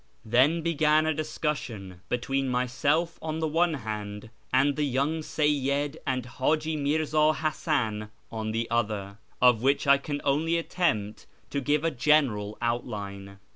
Then began a discussion between myself on the one hand, and the young Seyyid and Haji Mi'rza Hasan on the other, of which I can only attempt to give a general outline.